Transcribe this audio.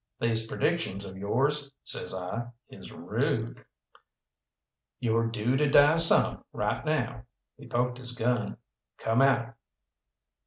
"These predictions of yours," says I "is rude." "You're due to die some, right now" he poked his gun. "Come out!"